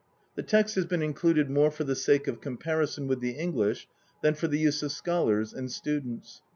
The text has been included more for the sake of comparison with the English than for the use of scholars and students.